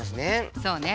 そうね。